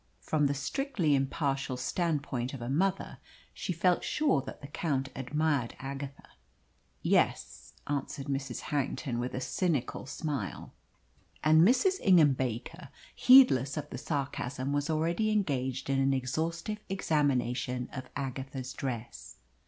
From the strictly impartial standpoint of a mother she felt sure that the Count admired Agatha. "Yes," answered Mrs. Harrington, with a cynical smile. And Mrs. Ingham Baker, heedless of the sarcasm, was already engaged in an exhaustive examination of Agatha's dress.